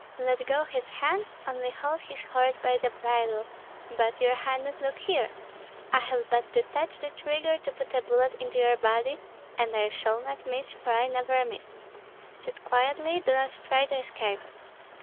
Let go his hands, only hold his horse by the bridle; but, your highness, look here! I have but to touch the trigger to put a bullet into your body, and I shall not miss, for I never miss. Sit quietly; do not try to escape."